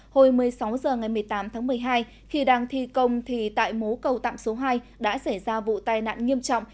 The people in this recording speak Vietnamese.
hồi một mươi sáu h ngày một mươi tám tháng một mươi hai khi đang thi công thì tại mố cầu tạm số hai đã xảy ra vụ tai nạn nghiêm trọng